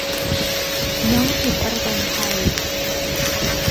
นวกิจประกันภัย